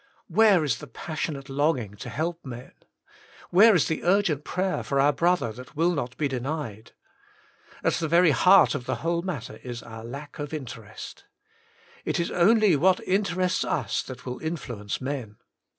Where is the passionate longing to help men? Where is the urgent prayer for our 158 The Inner Chamber brother that will not be denied? At the very heart of the whole matter is our lack of interest. It is only what interests us that will influence men.